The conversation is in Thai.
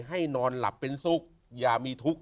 ให้นอนหลับเป็นสุขอย่ามีทุกข์